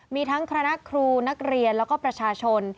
มีทั้งคณะครูนักเรียนแล้วก็ประชาชน